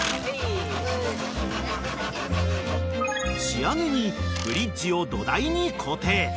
［仕上げにブリッジを土台に固定］